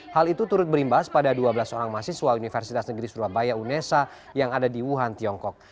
hal itu turut berimbas pada dua belas orang mahasiswa universitas negeri surabaya unesa yang ada di wuhan tiongkok